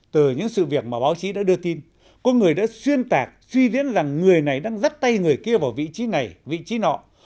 từ những sự việc mà báo chí đã đưa tin có người đã xuyên tạc suy diễn rằng người này đang dắt tay người kia vào vị trí này vị trí nọ